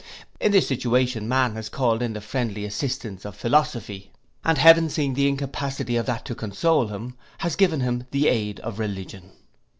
In this situation, man has called in the friendly assistance of philosophy, and heaven seeing the incapacity of that to console him, has given him the aid of religion.